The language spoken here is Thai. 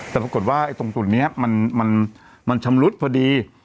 แต่ปรากฏว่าตรงจุดนี้มันชำรุดพอดี